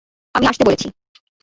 আমি আসতে বলেছি।